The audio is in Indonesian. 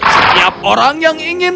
setiap orang yang ingin